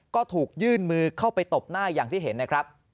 ก็ถูกยื่นมือเข้าไปตบหน้าอย่างที่เห็นนะครับ